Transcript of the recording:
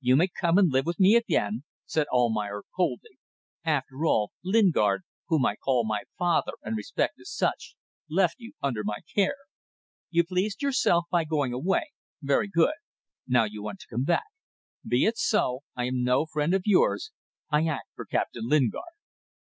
"You may come and live with me again," said Almayer, coldly. "After all, Lingard whom I call my father and respect as such left you under my care. You pleased yourself by going away. Very good. Now you want to come back. Be it so. I am no friend of yours. I act for Captain Lingard."